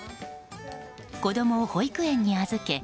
子供を保育園に預け